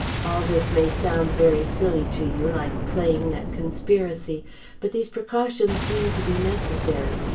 All this may sound very silly to you, like playing at conspiracy. But these precautions seem to be necessary.